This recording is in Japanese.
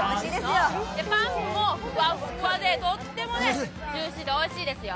パンもふわっふわでとってもジューシーでおいしいですよ。